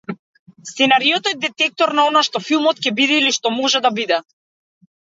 Сценариото е детектор на она што филмот ќе биде или што може да биде.